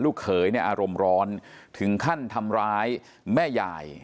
เขยเนี่ยอารมณ์ร้อนถึงขั้นทำร้ายแม่ยาย